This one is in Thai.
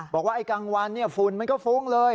บอกว่าไอ้กลางวันฝุ่นมันก็ฟุ้งเลย